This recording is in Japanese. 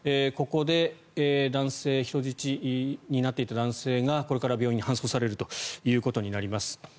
ここで人質になっていた男性がこれから病院に搬送されるということになります。